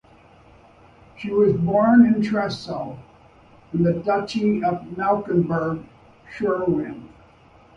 She was born at Tressow, in the duchy of Mecklenburg-Schwerin.